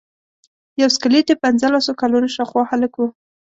یو سکلیټ د پنځلسو کلونو شاوخوا هلک و.